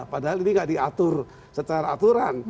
padahal ini tidak diatur secara aturan